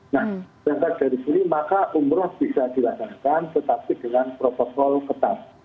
nah contoh dari sini maka omicron bisa dilakukan tetapi dengan protokol ketat